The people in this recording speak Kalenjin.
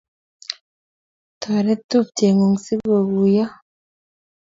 Toret tupchengung si ko guiyo